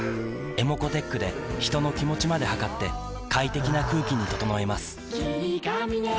ｅｍｏｃｏーｔｅｃｈで人の気持ちまで測って快適な空気に整えます